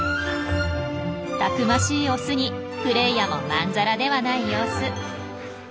たくましいオスにフレイヤもまんざらではない様子。